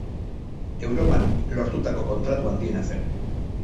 Europan lortutako kontratu handiena zen.